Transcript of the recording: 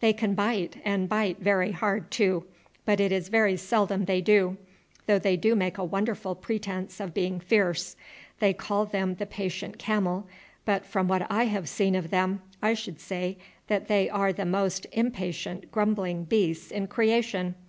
"They can bite, and bite very hard too; but it is very seldom they do, though they do make a wonderful pretence of being fierce. They call them the patient camel, but from what I have seen of them I should say that they are the most impatient, grumbling beasts in creation.